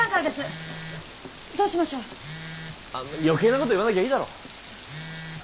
余計なこと言わなきゃいいだろ。